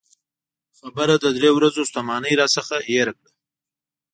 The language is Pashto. خبرو د درې ورځو ستومانۍ راڅخه هېره کړه.